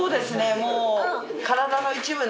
もう。